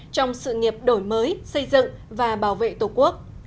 trong sự nghiệp đổi mới xây dựng và bảo vệ tổ quốc